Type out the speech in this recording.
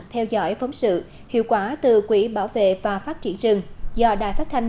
theo dõi phóng sự hiệu quả từ quỹ bảo vệ và phát triển rừng do đài phát thanh